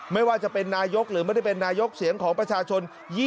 ไม่ว่าจะเป็นนายกหรือไม่ได้เป็นนายกเสียงของประชาชน